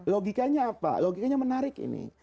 logikanya apa logikanya menarik ini